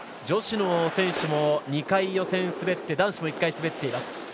女子の選手も２回、予選滑って男子も１回滑っています。